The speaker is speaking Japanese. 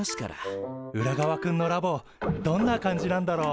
ウラガワくんのラボどんな感じなんだろう。